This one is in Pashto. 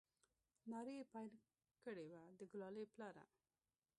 نارې يې پيل كړې وه د ګلالي پلاره!